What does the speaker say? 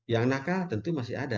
yang nakal tentu masih ada